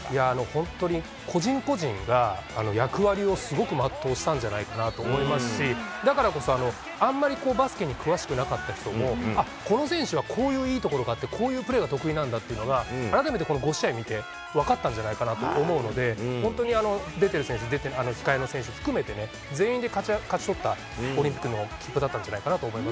本当に個人個人が役割をすごく全うしたんじゃないかなと思いますし、だからこそ、あんまりバスケに詳しくなかった人も、あっ、この選手はこういういいところがあって、こういうプレーが得意なんだっていうのが、改めて、この５試合見て分かったんじゃないかなと思うので、本当に出てる選手、控えの選手含めてね、全員で勝ち取ったオリンピックの切符だったんじゃないかなと思い